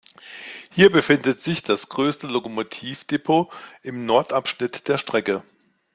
Hier befindet sich das größte Lokomotivdepot im Nordabschnitt der Strecke.